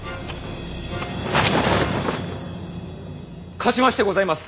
勝ちましてございます！